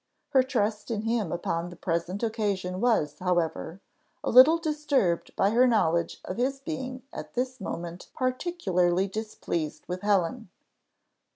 Her trust in him upon the present occasion was, however, a little disturbed by her knowledge of his being at this moment particularly displeased with Helen.